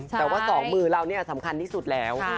แต่ว่าสองมือเราเนี่ยสำคัญที่สุดแล้ว